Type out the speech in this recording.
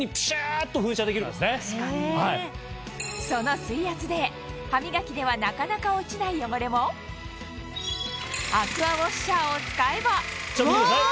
その水圧で歯磨きではなかなか落ちない汚れもアクアウォッシャーを使えばお！